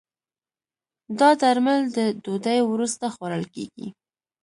دا درمل د ډوډی وروسته خوړل کېږي.